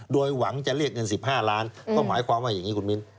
โดยหวังจะเรียกเงิน๑๕ล้านก็หมายความว่าอย่างนี้คุณมิ้น